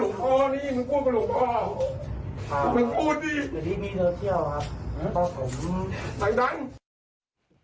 มึงพูดสิมึงพูดกับหลวงพ่อนี่มึงพูดกับหลวงพ่อ